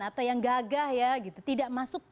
atau yang gagah ya gitu tidak masuk